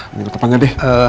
menunggu tepatnya deh